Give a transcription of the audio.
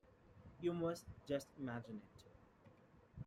You must just imagine it.